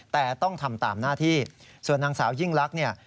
แต่ต้องทำตามหน้าที่ส่วนนางสาวยิ่งลักษณ์เนี่ย